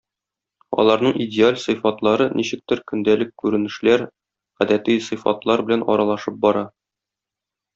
Аларның "идеаль" сыйфатлары ничектер көндәлек күренешләр, гадәти сыйфатлар белән аралышып бара.